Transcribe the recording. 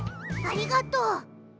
ありがとう！